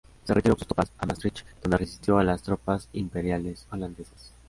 Se retiró con sus tropas a Maastricht donde resistió a las tropas imperiales-holandesas.